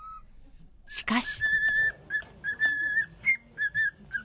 しかし。